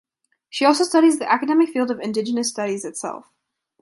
She also studies the academic field of indigenous studies itself.